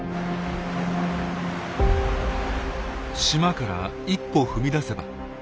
島から一歩踏み出せば